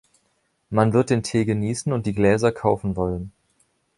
Man wird den Tee genießen und die Gläser kaufen wollen.